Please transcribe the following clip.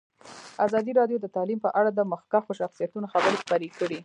ازادي راډیو د تعلیم په اړه د مخکښو شخصیتونو خبرې خپرې کړي.